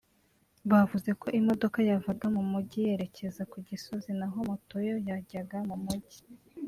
bavuze ko imodoka yavaga mu mujyi yerekeza ku Gisozi naho moto yo yajyaga mu mujyi